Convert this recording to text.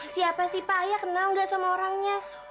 siapa sih pak ayah kenal gak sama orangnya